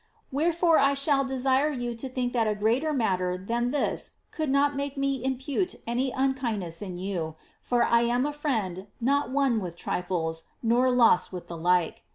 Wherefore I shall desire you to think that a greater matter than tbt« cou'il not mako me impute any unkindness in you, fur I am n friend not won with trifles, nor lost with the like.